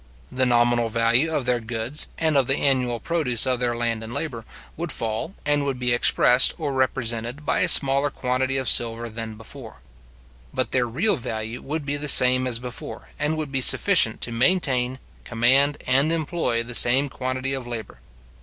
The nominal value of their goods, and of the annual produce of their land and labour, would fall, and would be expressed or represented by a smaller quantity of silver than before; but their real value would be the same as before, and would be sufficient to maintain, command, and employ the same quantity of labour.